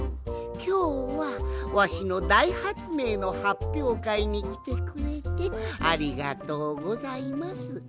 きょうはわしのだいはつめいのはっぴょうかいにきてくれてありがとうございます。